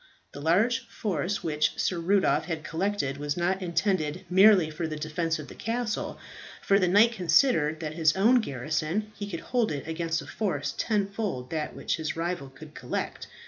The large force which Sir Rudolph had collected was not intended merely for the defence of the castle, for the knight considered that with his own garrison he could hold it against a force tenfold that which his rival could collect.